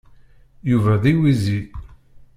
Yuba d iwizi.